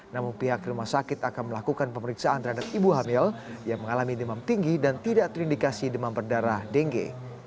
namun pihak rumah sakit akan melakukan pemeriksaan terhadap ibu hamil yang mengalami demam tinggi dan tidak terindikasi demam berdarah dengue